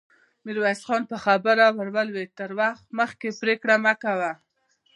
ميرويس خان په خبره کې ور ولوېد: تر وخت مخکې پرېکړه مه کوه!